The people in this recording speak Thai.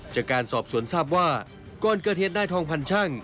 จากการสอบสวนทราบว่าก่อนเกิดเหตุนายทองพันช่าง